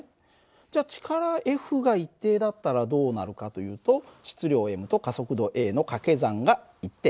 じゃ力Ｆが一定だったらどうなるかというと質量ｍと加速度ａの掛け算が一定。